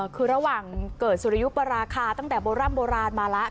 คือระหว่างเกิดสุริยุปราคาตั้งแต่โบร่ำโบราณมาแล้ว